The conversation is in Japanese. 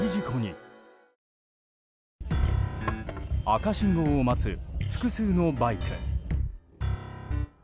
赤信号を待つ複数のバイク。